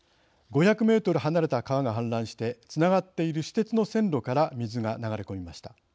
５００メートル離れた川が氾濫してつながっている私鉄の線路から水が流れ込みました。